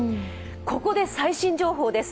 ここで最新情報です。